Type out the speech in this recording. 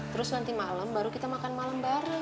terus nanti malam baru kita makan malam bareng